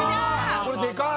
これでかい。